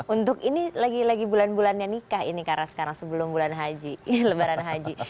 untuk ini lagi lagi bulan bulannya nikah ini karena sekarang sebelum bulan haji ini lebaran haji